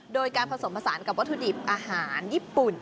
โดยการผสมผสานกับวัตถุดิบอาหารญี่ปุ่น